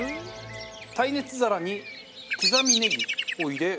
耐熱皿に刻みネギを入れ。